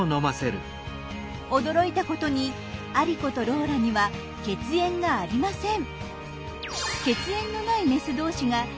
驚いたことにアリコとローラには血縁がありません。